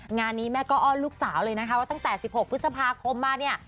งานนี้แม่ก็อ้อนลูกสาวเลยนะคะว่าตั้งแต่๑๖พฤษภาคมมาเนี่ย